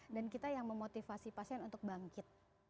dan kita yang memotivasi pasien untuk bangkit